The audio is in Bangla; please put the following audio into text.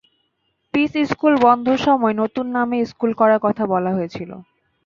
পিস স্কুল বন্ধের সময় নতুন নামে স্কুল করার কথা বলা হয়েছিল।